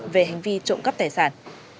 về hành vi trộm cấp tài sản